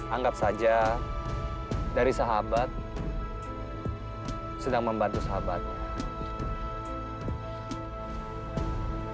anggap saja dari sahabat sedang membantu sahabatnya